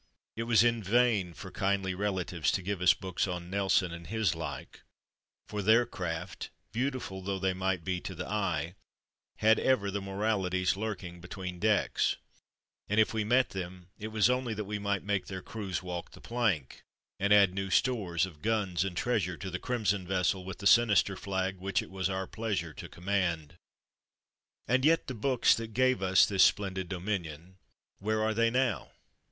It was in vain for kindly rela tives to give us books on Nelson and his like ; for their craft, beautiful though they might be to the eye, had ever the moralities lurking between decks, and if we met them it was only that we might make their crews walk the plank, and add new stores of guns and treasure to the crimson vessel with the sinister flag which it was our pleasure to command. And yet the books that gave us this splendid dominion, where are they now?